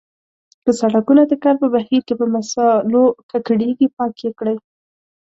که سړکونه د کار په بهیر کې په مسالو ککړیږي پاک یې کړئ.